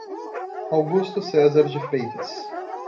Augusto Cesar de Freitas